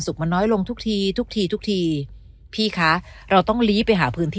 มันน้อยลงทุกทีทุกทีทุกทีพี่คะเราต้องลี้ไปหาพื้นที่